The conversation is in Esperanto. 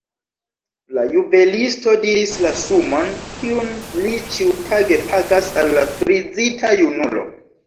La juvelisto diris la sumon, kiun li ĉiutage pagas al la frizita junulo.